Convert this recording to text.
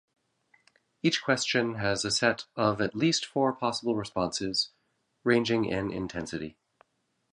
Each question has a set of at least four possible responses, ranging in intensity.